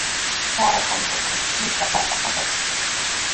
Sara kamchatami millkapanpaq apashqa.